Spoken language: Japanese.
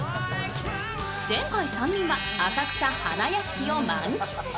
前回、３人は浅草・花やしきを満喫し。